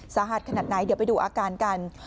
ขนาดไหนเดี๋ยวไปดูอาการกัน